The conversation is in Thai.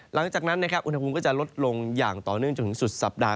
หลังจากนั้นนะครับอุณหภูมิก็จะลดลงอย่างต่อเนื่องจนถึงสุดสัปดาห